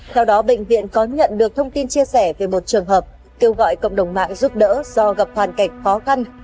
theo đó bệnh viện có nhận được thông tin chia sẻ về một trường hợp kêu gọi cộng đồng mạng giúp đỡ do gặp hoàn cảnh khó khăn